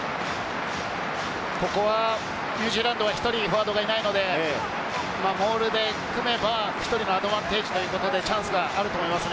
ここはニュージーランドは１人フォワードがいないので、モールで組めば、１人のアドバンテージということでチャンスがあると思います。